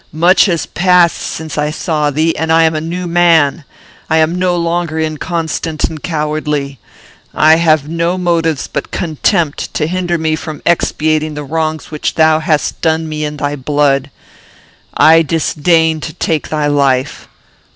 Much has passed since I saw thee, and I am a new man. I am no longer inconstant and cowardly. I have no motives but contempt to hinder me from expiating the wrongs which thou hast done me in thy blood. I disdain to take thy life.